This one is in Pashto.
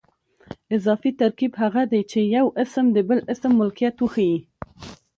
اضافي ترکیب هغه دئ، چي یو اسم د بل اسم ملکیت وښیي.